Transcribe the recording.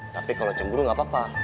tapi kalau cemburu gak apa apa